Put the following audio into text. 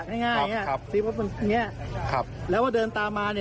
หรือว่าขับตามตุ๊ดหลังห่างนั่นแหละ